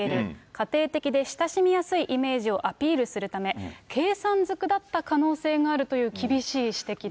家庭的で親しみやすいイメージをアピールするため、計算ずくだった可能性があるという、厳しい指摘です。